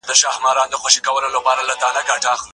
الله تعالی تر مهلتونو وروسته ظالمان مغلوب او هلاک کړي دي.